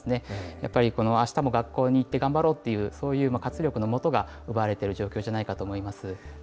やっぱりこのあしたも学校に行って頑張ろうっていう、そういう活力のもとが奪われている状況じゃないかと思います。